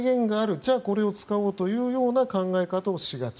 じゃあこれを使おうという考え方をしがち。